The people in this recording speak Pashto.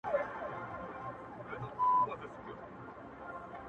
و تاته د جنت حوري غلمان مبارک،